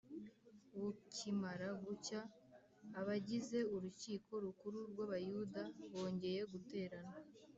bukimara gucya, abagize urukiko rukuru rw’abayuda bongeye guterana,